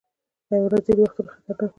حیوانات ځینې وختونه خطرناک وي.